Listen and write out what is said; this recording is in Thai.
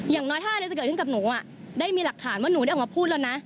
อย่างน้อยถ้าอะไรจะเกิดขึ้นกับหนูได้มีหลักฐานว่าหนูได้ออกมาพูดแล้วนะ